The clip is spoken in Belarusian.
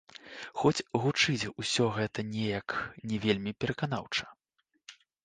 Хоць гучыць усё гэта неяк не вельмі пераканаўча.